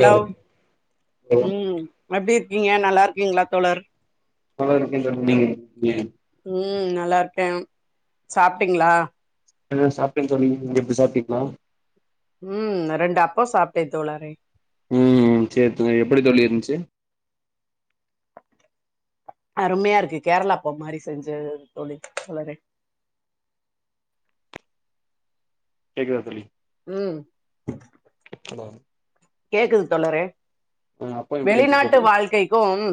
Hello hello ம் எப்டி இருக்கீங்க நல்லா இருக்கீங்களா தோழர் நல்ல இருக்கன் தோழி நீ நீ ம் நல்லா இருக்கேன் சாப்பிட்டீங்களா என் சாப்பிட்டேன்னு தோழி நீங்க [unintelligible] சாப்பிட்டீங்களா ம் ரெண்டு அப்பம் சாப்பிட்டேன் தோழரே ம் சேரி தோழி எப்டி தோழி இருந்திச்சி அருமையா இருக்கு கேரளா அப்பம் மாரி செஞ்ச தோழி தோழரே கேக்குதா தோழி ம் கேக்குது தோழரே அப்பா எப்டி இருந்துச்சு வெளிநாட்டு தோழி வாழ்க்கைக்கும்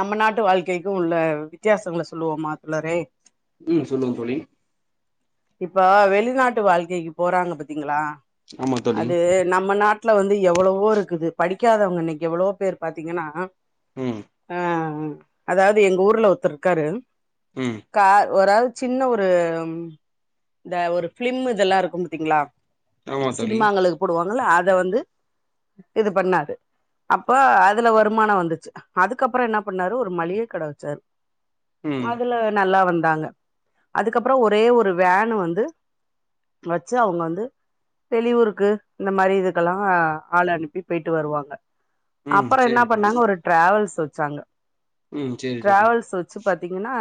நம்ம நாட்டு வாழ்க்கை இதுவும் உள்ள வித்தியாசங்கள சொல்லுவோமா தோழரே ம் சொல்லுங்க தோழி இப்ப வெளிநாட்டு வாழ்க்கைக்கு போறாங்க பாத்தீங்களா ஆமா தோழி அது நம்ம நாட் டுல வந்து எவ்ளவோ இருக்குது படிக்காதவங்க இன்னைக்கு எவ்ளளோ பேர் பாத்தீங்கன்னா ம் ஆ ம் அதாது எங்க ஊர்ல ஒருத்தர் இருக்காரு ம் கா [unintelligible] சின்ன ஒரு ம் இந்த ஒரு பிலிம் இதெல்லா இருக்கும் பாத்தீங்கிளா ஆமா தோழி சினிமாங்களுக்கு போடுவாங்கல்ல அத வந்து இது பண்ணாரு அப்ப அதுல வருமானம் வந்துச்சு அதுக்கப்றோ என்ன பண்ணாரு ஒரு மளிகை கடை வச்சாரு ம் அதுல நல்லா வந் துடங்க அதுக்கப்றோ ஒரே ஒரு வேன் வந்து வச்சு அவுங்க வந்து வெளியூருக்கு இந்த மாரி இதுக்கெல்லா ஆள் அனுப்பி பேய்ட்டு வருவாங்க ம் அப்றோ என்ன சேரி தோழி பண்ணாங்க ஒரு டிராவல்ஸ் வச்சாங்க ம் சேரி தோழி டிராவல்ஸ் வச்சு பாத்தீங்கன்னா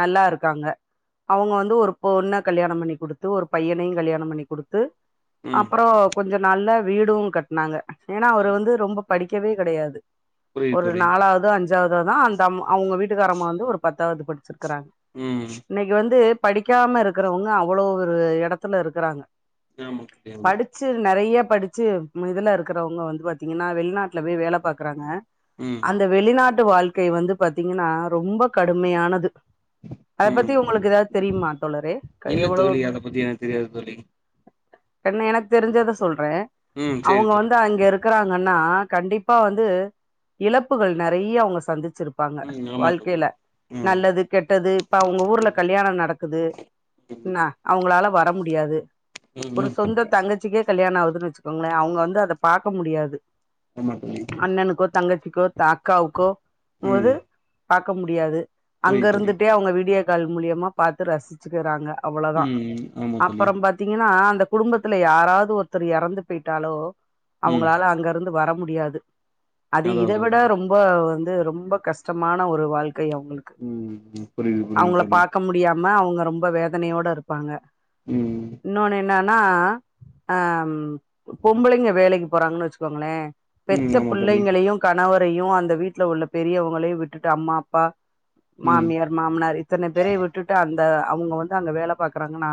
நல்லா இருக்காங்க அவுங்க வந்து ஒரு பொண்ண கல்யாணம் பண்ணி குடுத்து ஒரு பையனை கல்யாணம் பண்ணி குடு த்து ம் அப்றோ கொஞ்சம் நல்லா வீடும் கட்டுனாங்க ஏன்னா அவரு ம் வந்து ரொம்ப படி க்கவே கிடையாது புரியுது ஒரு தோழி நாலாது அஞ்சு இததானா அந்த அம்மா அவங்க வீட்டுக்காரமா வந்து ஒரு பத் அததுபட் ருக்கறாங் ம் இன்னைக்கு வந்து க்காம இருக்கிறவங்க அவ்ளோ ஒரு இடத்துல இருக்கிறாங்க ஆமா தோழி ஆமா படிச்சது நெறைய படிச்சு இதுல இருக்கறவங்க வந்து பாத்தீங்கன்னா வெளிநாட்டுல போய் வேல பாக்குறாங்க ம் அந்த வெளிநாட் டு வாழ்க்கை வந்து பாத்தீங்கன்னா ரொம்ப கடுமையானது அதை ம் பத்தி உங்களுக்கு ஏதாவது தெரியுமா தோழரே க- இல்ல தோழி எவ்வளவு அத பத்தி எனக்கு தெரியாது தோழி என்ன எனக்கு தெரிஞ்சத சொல் ற ம் சேரி அவங்க தோழி வந்து அங்க இருக்கறாங்கன் நா கண்டிப்பா வந்து இழப்புகள் நெறைய அவுங்க சந்தி ச்சிருப்பாங்க ம் ஆமா தோழி வாழ்க்கையில ம் நல்லது கெட்டது இப்ப அவங்க ஊர்ல ம் கல்யாண நடக்குது ன்னா அவுங் ங்களால வர முடியாது ம் ஒரு ம் சொந்த தங்கச்சிக்கே கல்யாண ஆகுதுன்னு வச்சுக்கோங்களே அவுங்க வந்து அத பாக்க முடியாது ஆமா தோழி அண்ணனுக்கோ தங்கச்சி சிகோ தாக்காவுக்கோ ம் ஒரு பாக்க முடியாது அங்க புரியுது தோழி இருந்துட்டே அவுங்க வீடிய கள் மூலியமா பாத்து ரசி ச்சிறாங்க அவ்வளதா ம் ஆமா தோழி அப்பற பாத்தீங்கன்னா அந்த குடும்பத்துல யாராவது ஒருத்தர் இறந்து போய்ட்டாலோ ம் அவுங்களால அங்க இருந்து வர முடியாது அது அதா இத அதா விட தோழி ரொம்ப வ் ந்து ரொம்ப கஷ்டமான ஒரு வாழ் க்கை அவுங்களுக்கு ம் ம் புரியுது புரியுது அவங்கள தோழி பாக்க முடியாம மா உங்கோ ரொம்ப வேதனையோட இருப்பாங்க ம் இன்னோனு என்னான்னா அம் பொம்பளைங்க வேலைக்கு போறாங்கன்னு வச்சுக்கோங்களே ம் பெத்த ஆமா தோழி பிள்ளைங்களையு கணவர் அங்கேயு அந்த வீட்டுல உள்ள பெரியவங்களையு விட்டுட்டு அம்மா அப்பா ம் மாமியார் மாமனார் இத்தன பேரயு விட்டுட்டு அங்க அ அவுங்க வந்து அங்க வேல பாக்குறாங்கன்னா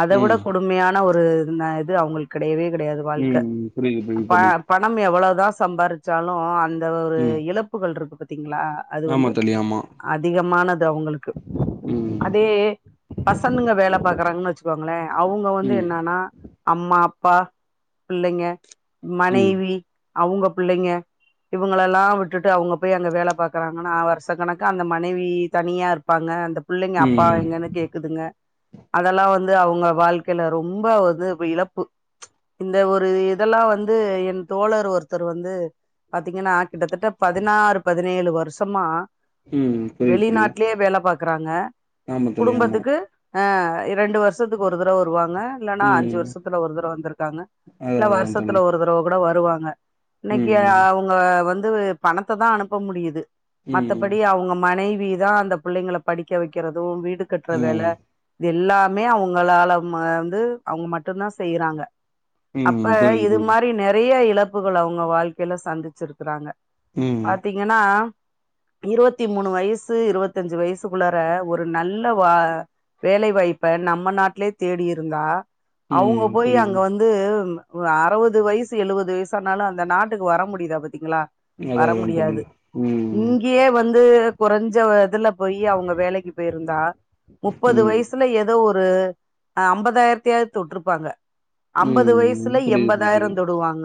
அத விட ம் கொடுமையான ஒரு இது ந து அவுங்களுக்கு கெடையவே கெடையாது ம் வாழ்க்க ம் புரியுது புரியுது பல தோழி பணம் எவ்வளவு தா சம்பாரிச்சாலு அந் த ஒரு ம் இழப்புகள் இருக்கு பத் ங்களா அது ஆமா வந்து தோழி ஆமா அதிகமானது அவங்களுக்கு ம் அதே பசனுங்க வேல பாக்குறாங்கன்னு வச்சுக்கோங்களே அவுங்க வந்து ம் என்னன்னா அம்மா அப்பா பிள்ளைங்க ம் மனைவி அவுங்க பிள்ளைங்க இவங்களல்லா விட்டுட்டு அவங்க போய் அங்க வேல பாகுறாங்கன்னா வருஷ கணக்கா அந்த மனைவி தனியா இருப்பாங்க அந்த பிள்ளைங்க அப்பாவ ம் எங்கனு த அதெல்லா வந்து அவுங்க வாழ்க்கையில ரொம்ப வந்து இழப்பு இந்த ஒரு இதெல்லா வந்து என் தோழர் ஒருத்தர் வந்து பாத்தீங்கன்னா கிட்டத்தட்ட பதினாறு பதினேழு வருஷமா ம் புரியுது தோழி வெளிநாட்டுலேயே வேல பாக் இருக்கறாங்க ஆமா தோழி ஆமா ஆ இரண்டு வருஷத்துக்கு ஒரு தடவ வருவாங்க ன இல்லன்னா அஞ்சு ம் வருஷத்துல ஒரு தடவ வந்திருக்காங்க அதா இல்ல அதா தோழி வருஷத்துல ஒரு தடவ கூட வரு வருவாங்க இன்னைக்கு ம் அவங்க வந்து து பணத்த தா அனுப்ப முடியுது ம் மத்தபடி அவுங்க மனை விதா அந்த பிள்ளைங்கள படிக்க வைக்கிறது வீடு கட்ற வேல ம் இது எல்லா மே அவங்களால ம வந்து அவங்க மட்டுந்தா செய்யறாங்க ம் அப்ப புரியுது இது புரியுது மாரி நெறைய இழ ப்புகள அவங்க வாழ்க்கையில சந்திச்சிருக்கிறாங்க. ம் பாத்தீங்கன்னா இருபத்தி மூணு வயசு இருபத்தி அஞ்சு வயசுக்குள்ளார ஒரு நல் ல வ வேலைவாய்ப்ப நம்ம நாட்லயே தேடி இருந்தா ம் அவங்க போய் புரியுது அங்க வந்து ஒ அறவது வயசு எழுவது வயசு ஆனாலு அந்த நாட்டுக்கு வர முடியுதா பாத்தீங்களா அதா வர அதா தோழி முடியாது. ம் இங்கயே வந்து கொறஞ்ச வ இதுல போயி அவங்க வேலைக்கி போயிருந்தா முப்பது ம் வயசுல எதோ ஒரு ஆ அம்பதாயிரத்தயாது தொட்ருப்பாங்க அம்பது ம் வயசுல புரியுது எம்பதாயிரோ புரியுது தொடுவாங்க.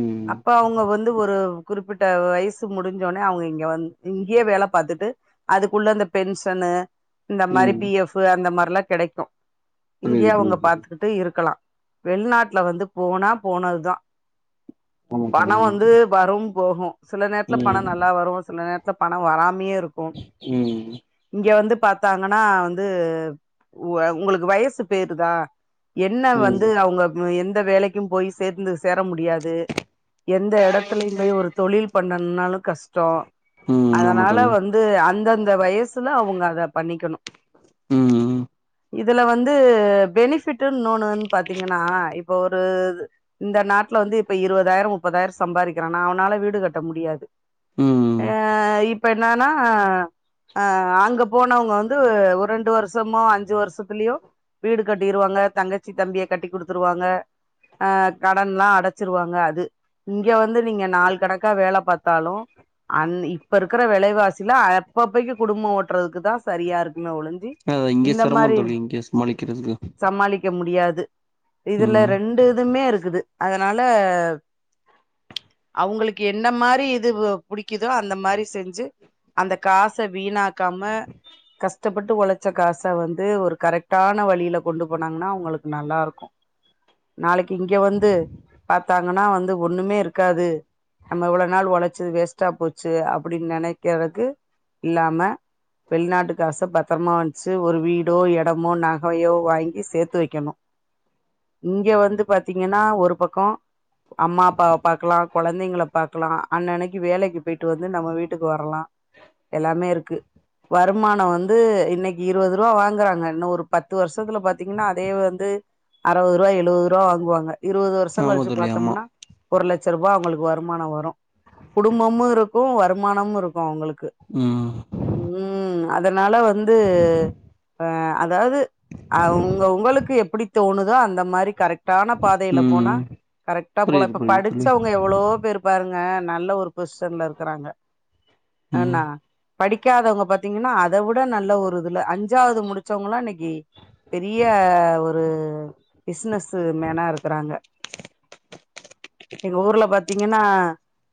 ம் அப்ப அவங்க வந்து ஒரு குறிப்பிட் ட வயசு முடிஞ்ச ஒட்னே அவுங்க இங்க வந் இங்கயே வேல பாத்துட்டு அதுக்குள்ள இந்த பென்ஷனு இந்த மாரி ம் பி எஃபு அந்த மாரி எல்லா கெடைக்கு புரியுது இங்கயே அவுங்க புரியுது புரியுது பாத்துக்கிட்டு இருக்கலா. வெள்நாட்ல வந்து போனா போனதுதா. ஆமா தோழி பணோ ஆமா தோழி ம் வந்து வரும் போகு சில நேரத்துல பணோ நல்லா வரு சில நேரத்துல பணோ வராமயே இருக்கு ம் இங்க வந்து பா ஆனா வந்து உவ உங்களுக்கு வயசு போயிருதா என்ன ம் வந்து அவுங்க ம் எந் த வேலைக்கும் போயி சேந்து சே ர முடியாது எந்த எடத்துலயு போயி ஒரு தொழில் பண்ண ணாலு கஷ்டோ ம் ஆமா அதனால தோழி வந்து அந்தந் த வயசுல அவுங்க பண்ணிக்கணு ம் இதுல வந்து பெனிஃபி ட்டு இன்னோன்னு வந் பாத்தீங்கன்னா இ ப்போ ஒரு இந்த நாட்ல வந்து இப்ப இருபதாயரோ முப்பதாயரோ சம்பாரிக்கிறான்னா அவனால வீடு கட்ட முடியாது. ம் ம் ஆ இப்ப என்னன்னா அங்க போனவங்க வந்து ஒரு ரெண்டு வருஷமோ அஞ்சு வருஷத்துலியோ வீடு கட்டிருவாங்க தங்கச்சி தம்பிய கட்டிகுடுத்துருவாங்க அ கடன்ல்லா அடச்சிருவாங்க அது இங்க வந்து நீங்க நாலு கணக்கா வேல பாத்தாலு அந் இப்ப இருக்குற வெலைவாசில அப்பப்பக்கு குடும்பம் ஓட் ட்டறதுக்கு தா சரியா இருக்குமே ஒழிஞ் சி அதா இங்க இந்த சிரமோ மாரி தோழி இங்க சமாளிக்கிறதுக்கு சமாளிக்க முடியாது இதுல ம் ரெண்டு துமே இருக்குது அதனால அவுங்களுக்கு என்ன மாரி இது புடிக்குதோ அந்த மாரி செஞ்சு அந்த காச வீணா இருக்காம கஷ்டப்பட்டு உழைச்ச காச வந்து ஒரு கரெக்டான வழியில கொண்டு போனாங்கன்னா அவங்களுக்கு நல்லா இருக்கு நாளைக்கு இங்க வந்து பத்தாங்கன்னா வந்து ஒண்ணுமே இருக்காது நம்ம இவ்ளவு நாள் உழைச்சது வேஸ்ட்டா போச்சு அப்டின்னு நெனக்கிறக்கு இல்லாம வெளிநாட்டு காச பத்திரமா வந்துச்சு ஒரு வீடோ இடமோ நகையோ வாங்கி சேர்த்து வைக்கணு இங்க வந்து பாத்தீங்கன்னா ஒரு பக்க அம்மா அப்பாவ பாக்கலா கொழந்தங்கல பாக்கலா அன்னன்னைக்கு வேலைக்கு போயிட்டு வந்து நம்ம வீட்டுக்கு வர்ரலா எல்லாமே இருக்கு வருமான வந்து இன்னைக்கு இருபது ரூபா வாங்குறாங்க இன்னு ஒரு பத்து வருஷத்துல பாத்தீங்கன்னா அதே வந்து அறவரூவா எழுவரூவா வாங்குவாங்க இருபது வருஷ் லா ஆமா கழிச்சு தோழி ஆமா பாத்தம்னா ஒரு லட்சரூபா அவங்களுக்கு வருமான வரு குடும்பமு இருக்கு வருமானமு இருக்கு அவுங்களுக்கு ம் ம் அதனால வந்து ஆ அதாவது அ உங்க உங்களுக்கு எப்படி தோணுதோ அந்த மாரி கரெக்டான பாதைல போனா ம் கரெக்டா போலா புரியுது இப்ப புரியுது தோழி படிச்சுவங்க எவ்ளோ பேரு பாருங்க நல்ல ஒரு போஸ்சன்ல இருக்கறாங்க ம் அன்னா படிக்காதவங்க பாத்தீங்கன்னா அத விட நல்ல ஒரு இதுல அஞ்சாவது முடிச்சவங்காலா இன்னைக்கு பெரிய ஒரு பிசினஸ் மேனா இருக்கிறாங்க எங்க ஊர்ல பாத்தீங்கன்னா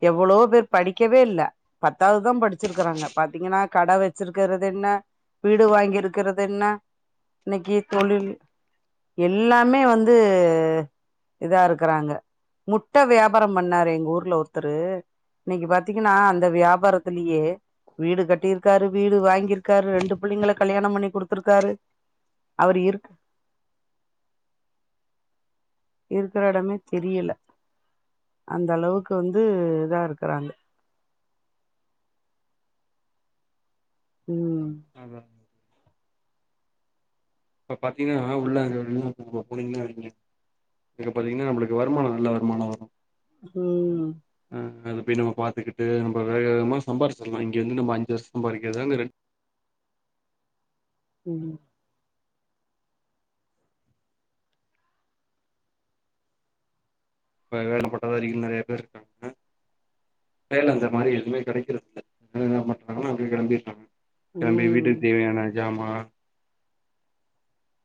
எவ்ளோ பேர் படிக்கவே இல்ல பத்தாவதுதா படிச்சிருக்கறாங்க பாத்தீங்கன்னா கட வச்சிருக்கிறது என்ன வீடு வாங்கியிருக்கரது என்ன இன்னைக்கு தொழில் எல்லாமே வந்து இதா இருக்கறாங்க முட்ட வியாபாரம் பண்ணாரு எங்க ஊர்ல ஒருத்தரு இன்னைக்கு பாத்தீங்கன்னா அந்த வியாபாரத்திலயே வீடு கட்டியிருக்காரு வீடு வாங்கிருக்காரு ரெண்டு புள்ளங்கள கல்யாணம் பண்ணி குடுத்துருக்காரு அவரு இருக் இருக்குற இடமே தெரியில அந்த அளவுக்கு வந்து இதா இருக்கறாங்க ம் அத இப்ப பாத்தீங்கன்னா உள்ளங்க ரு போனீங்கன்னா வைங்க இங்க பாத்தீங்கன்னா நம்மளுக்கு வருமான நல்ல வருமான வரு ம் மெனுவ பாத்துக்கிட்டு நம்ம வேககமா சம்பாதிச்சிடலா இங்க வந்து நம்ம அஞ்சு வருஷ சம்பாதிக்கறத அங்க டென் ம் இப்ப வேலப்பட்டதாரிகள் நெறைய பேர் இருக்காங்க வேல அந்த மாரி எதுவுமே கெடக்கிறதுல்ல வேண மாறாங்கன்னா அங்கயே கிளம்பிறாங்க கெலம்பி ம் வீட்டுக்கு தேவையான ஜாமாலா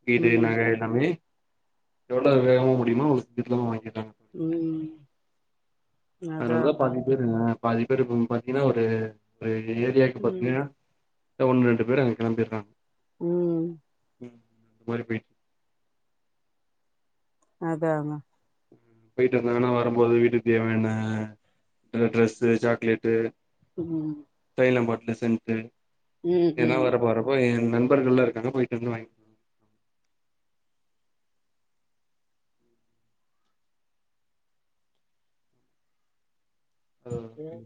வீடு ம் நக எல்லாமே எவ்ளோ வேகமா முடியுமோ அவ்ளோ சிக்கர வாங்கி ந ம் அதா அதனாலதா அதா பாதி பேருங்க பாதி பேருக்கும் பாத்தீங்கன்னா ஒரு ஒரு ஏரியாக்கு ம் பாத்தீங்கனா த ஒன்னு ரெண்டு பேர் அங்க கிளம்பிறாங்க ம் ம் போய பேட் அதா அதா போயிட்டு இருந்தா ஆனா வரும்போது வீட்டுக்கு தேவையான ட்ரெஸ் சாக்லேட்டு ம் னபாட்டலு சென்ட்டு ம் ஏன்னா ம் வரப்போறப்போ என் நண்பர்கள்ல இருக்காங்க போயிட்டு வந்து வாங்க வாங்கிட்டு ம்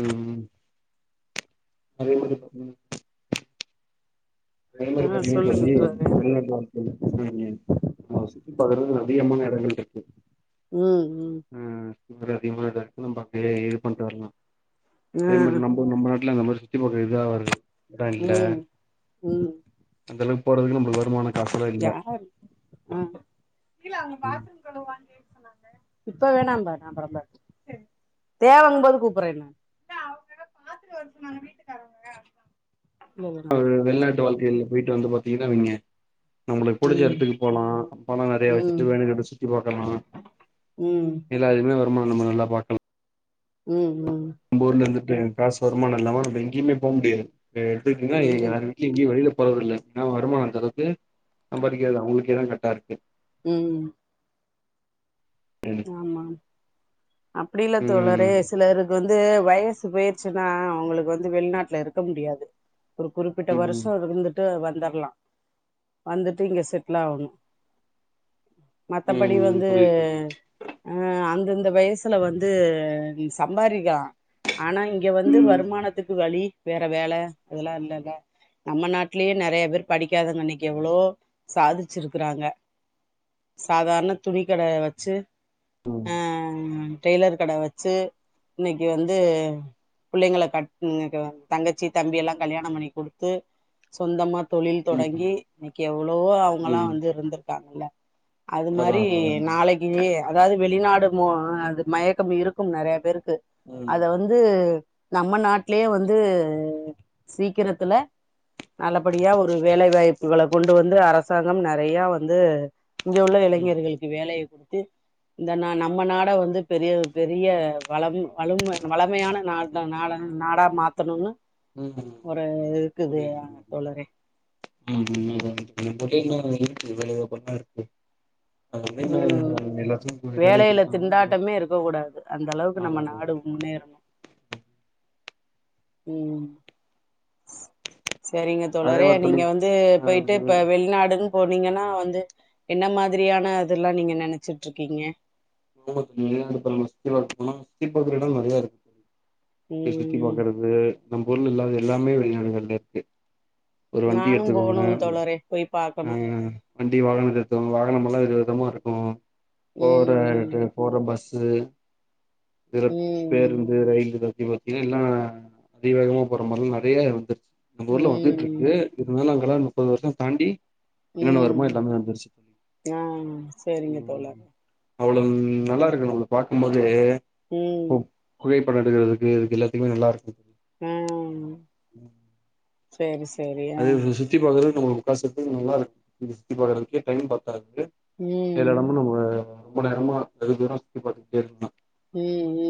ம் ம் அதே மாரி பாத்தீங்கன்னா அதே மாரி ஆ பாத்தீங்கன்னா சொல்லுங்க தோழி தோழரே வெளிநாட்ல வந்து [inaudible] நம்மோ சுத்தி பாக்கறதுக்கு அதிகமான எடங்கள் இருக்கு. ம் ம் இந்த மாரி அதிகமான எடோ இருக்கு நம்ம அங்கயே இது பண்ட்டு வர்லா. ஆ அதே மாரி நம்போ நம்ப நாட் ல அந்த மாரி சுத்தி பாக்குற இதா ஒரு ம் ம் அந்தளவுக்கு போறதுக்கு நம்பளுக்கு வ அவங்க பாத்ரூம் வாங்க சொன்னாங்க இப்ப வேணாம்ம்ப நான் ப தேவைங்க போது கூப்பறேன் ந வருட்டுார இல்ல வீட்ட வந்து பாத்தீங்கன்னு வைங்க நம்மளுக்கு புடிச்ச ம் எடத்துக்கு போலா பணோ நெறையா ம் வச்சுட்டு வேணுங்கறத சுத்தி பாக்கலா ம் இல்ல அது மாரி வ ருமானோ நம்ம நல்லா பாக்க ம் ம் இல்ல எனக்கு காசு வருமானோ இல்லாம நம்ப எங்கயுமே போ முடியாது ஆ எதுக்குன்னா ய ம் யார் வீட்லயி எங்கயு வெளில போறதில்ல ஏன்னா வருமானோ அந்தளவுக்கு சம்பாரிக்கிறது அவங்களுக்கேதா கரெக்டா இருக்கு ம் ஆமா அப்டி இல்ல தோழரே ம் சிலருக்கு வந் து வயசு போயிருச்சுன்னா உங்களுக்கு வந்து வெளிநாட்ல இருக்க முடியாது ஒரு குறிப்பிட்ட ம் வருஷோ இருந்துட்டு அது வந் தர்லா வந்துட்டு இங்க செட்லாகணு மத்தபடி ம் வந்து புரியுது ஆ அந்தந்த வயசுல வந்து ம் சம்பாரிக்கலா ஆனா இங்க வந்து புரியுது வருமானத்துக்கு வழி வேற வேல அதெல்லா இல்ல இல்ல. நம்ம நாட்லயே நெறைய பேர் படிக்காதங்க இன்னக்கி எவ்வளவோ சாதிச்சிருக்கறாங்க. சாதாரண துணி கட வச்சு ம் ஆ டெய்லர் கட வச்சு இன்னக்கி வந்து பிள்ளைங்கள கட் [unintelligible] தங்கச்சி தம்பி எல்லா கல்யாணோ பண்ணி குடுத்து சொந்தமா தொழில் ம் ம் தொடங்கி இன்னக்கி எவ்வளவோ அவங்கல்லா ம் வந்து இருந்துரு க்காங்கல்ல அது அதா மாரி அதா அதா நாளக்கி வி வெளிநாடு மோ அது மயக்கம் இருக்கும் நறைய பேருக் கு ம் அத வந்து நம்ம நாட்லயெ வந்து சீக்கிரத்துல நல்லபடியா ஒரு வேலைவாய் ப்புகள கொண்டு வந்து அரசாங்கம் நறையா வந்து இங்க உள்ள ம் இளைஞர்களுக்கு வேலைய குடுத்து இந்த நா நம்ம நாட வந்து பெரிய பெரிய வளம் வளம் வளமயான நாட நாட நாடா மாத்தணுன்னு ம் ஒரு இருக்குது புரியிது தோழரே [unintelligible] [unintelligible] வேலைவாய்ப்பெல்லா இருக்கு அது ம் வந்து எல்லாத்துக்கு வேலை வேலையில குடுத்தாங்கன்னா நல்லாருக்கு திண்டாட்டமே இருக்க கூடாது அந்த அளவுக்கு அதா நம்ம நாடு அதா முன்னேறனு ம் சேரிங்க அதே தோழரே மாரி தோழி நீங்க வந்து ஆ போயிட்டு இப்ப வெளிநாடுன் போனீங்கன்னா வந்து என்ன மாதிரியான இதல்லா நீங்க நெனச்சிட்ருக்கீங்க [unintelligible] அடுத்த மாசத்துல போனா சுத்தி பாக்குற எடொ நெறைய இருக்கு தோழி சுத்தி ம் பாக்குறது நம்பூர்ல இல்லாத எல்லாமே வெளிநாடுகள்ல இருக்கு ஒரு வண்டி நானும் எடுத்துக்கோங்க போனும் தோழரே போய் ஆ பாக்கணு வண்டி வாகன‌தெடுத்துக்கோங்ளா [unintelligible] வித விதமா இருக்கு போற ம் ரிட்டன் போற பஸ் ஸு பிறப்‌ ம் பேருந்து ரயில்லெதா இப்டி பாத்தீங்னா எல்லா அதி வேகமா போற மார்லா நெறைய வந்துருச்சு நம்ப ஊர்ல ம் வந்துட்ருக்கு இருந்தாலு அ ங்கலா முப்பது வருஷ தாண்டி என்னென்ன வருமோ ம் எல்லாமே வந்துருச்சு தோழி. ஆ சேரிங்க தோழரே அவ்ளவு நல்லாருக்கு நம்மத பாக்கும்போதே ம் பண எடுக்குறதுக்கு இதுக் எல்லாத்தக்குமே நல்லாருக்கு ம் சேரி சேரி அ நூறு காசு ம் நல்லா இருக்கு இப்ப வரைக்கு டைல் பாத் பாத்ட்டு எல்லா ம் இடமு நம்ப ரொம்ப நேரமா எகு தூர சுத்தி பாத்துகுட்டே ம் ம்